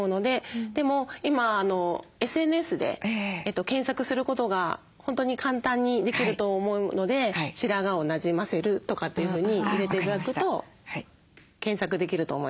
でも今ＳＮＳで検索することが本当に簡単にできると思うので「白髪をなじませる」とかっていうふうに入れて頂くと検索できると思います。